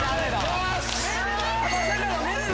よし！